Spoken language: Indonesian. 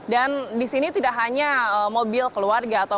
dan di sini tidak hanya mobil keluarga